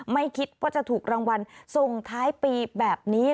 ไม่คิดว่าจะถูกรางวัลส่งท้ายปีแบบนี้